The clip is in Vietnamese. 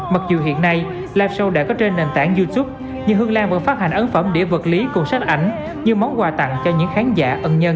mặc dù hiện nay live show đã có trên nền tảng youtube nhưng hương lan vẫn phát hành ấn phẩm để vật lý cùng sách ảnh như món quà tặng cho những khán giả ân nhân